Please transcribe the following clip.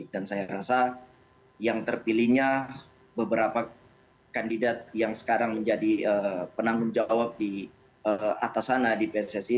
dan saya rasa yang terpilihnya beberapa kandidat yang sekarang menjadi penanggung jawab di atas sana di pssi